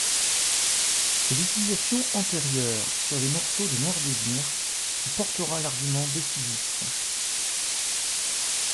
C'est l'utilisation antérieure sur les morceaux de Noir Désir qui portera l'argument décisif.